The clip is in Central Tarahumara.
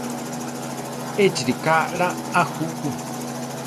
Échi ríka aʼlá a juku.